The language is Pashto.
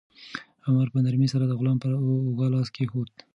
عمر په نرمۍ سره د غلام پر اوږه لاس کېښود.